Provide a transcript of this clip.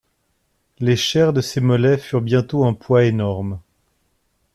Les chairs de ses mollets furent bientôt un poids énorme.